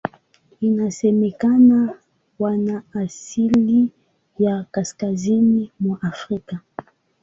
Inasemekana wana asili ya Kaskazini mwa Afrika.